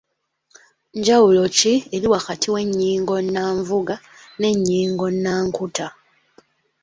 Njawulo ki eri wakati w’ennyingo nnanvuga n’ennyingo nnankuta?